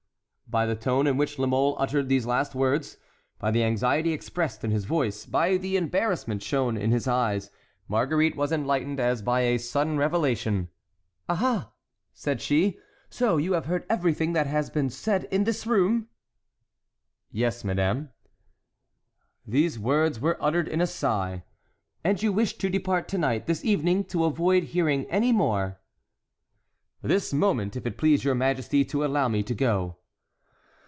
By the tone in which La Mole uttered these last words, by the anxiety expressed in his voice, by the embarrassment shown in his eyes, Marguerite was enlightened as by a sudden revelation. "Aha!" said she, "so you have heard everything that has been said in this room?" "Yes, madame." These words were uttered in a sigh. "And you wish to depart to night, this evening, to avoid hearing any more?" "This moment, if it please your majesty to allow me to go."